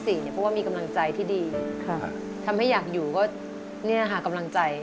เพราะว่ามีกำลังใจที่ดีทำให้อยากอยู่ก็เนี่ยค่ะกำลังใจ